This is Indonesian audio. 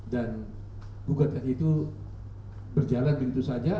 dan gugatkan itu berjalan begitu saja